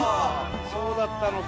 そうだったのか。